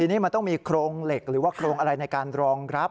ทีนี้มันต้องมีโครงเหล็กหรือว่าโครงอะไรในการรองรับ